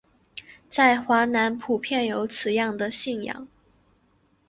在华南普遍有此样的信仰。